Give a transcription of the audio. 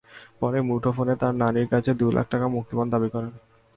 পরে মুঠোফোনে তার নানির কাছে দুই লাখ টাকা মুক্তিপণ দাবি করেন।